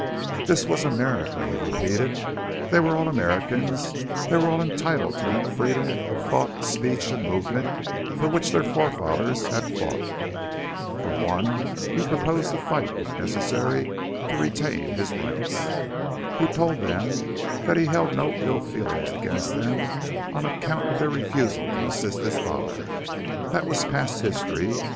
This was America, he repeated; they were all Americans; they were all entitled to that freedom of thought, speech, and movement for which their forefathers had fought. For one, he purposed to fight, if necessary, to retain his rights. He told them that he held no ill feeling against them on account of their refusal to assist his father. That was past history.